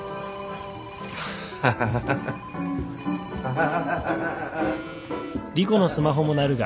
ハハハハハハハハ。